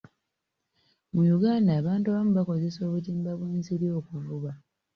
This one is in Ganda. Mu Uganda, abantu abamu bakozesa obutimba bw'ensiri okuvuba.